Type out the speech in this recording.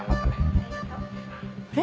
「ありがとう」あれ？